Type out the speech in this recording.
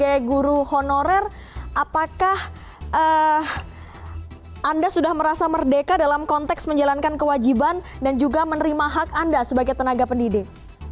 sebagai guru honorer apakah anda sudah merasa merdeka dalam konteks menjalankan kewajiban dan juga menerima hak anda sebagai tenaga pendidik